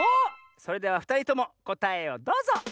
それではふたりともこたえをどうぞ！